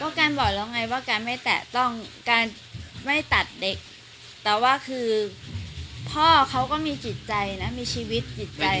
ก็การบอกแล้วไงว่าการไม่แตะต้องการไม่ตัดเด็กแต่ว่าคือพ่อเขาก็มีจิตใจนะมีชีวิตจิตใจ